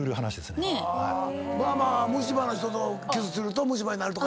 まあまあ虫歯の人とキスすると虫歯になるとかよう。